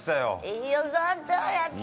飯尾さんとやった！